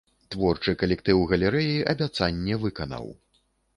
Творчы калектыў галерэі абяцанне выканаў.